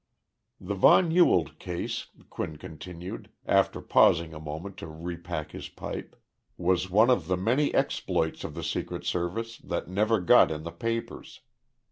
The von Ewald case [Quinn continued, after pausing a moment to repack his pipe] was one of the many exploits of the Secret Service that never got in the papers.